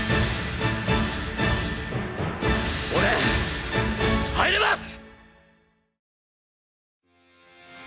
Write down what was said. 俺入れます！